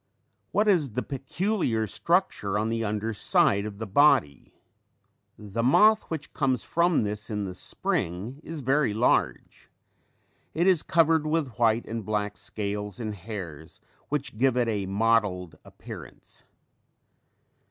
What is the peculiar structure on the under side of the body? The moth which comes from this in the spring is very large. It is covered with white and black scales and hairs which give it a mottled appearance.